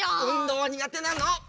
うんどうはにがてなの。